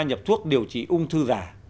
nhập thuốc điều trị ung thư giả